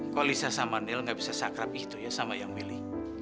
kami sama nil gak bisa sakrab itu ya sama yang milih